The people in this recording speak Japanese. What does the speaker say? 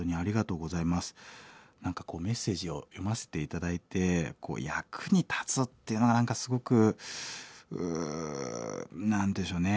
何かこうメッセージを読ませて頂いて役に立つっていうのは何かすごく何でしょうね